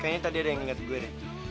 kayaknya tadi ada yang ingat gue deh